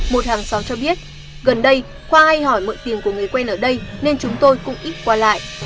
một hàng xóm cho biết gần đây khoa hay hỏi mượn tiền của người quen ở đây nên chúng tôi cũng ít qua lại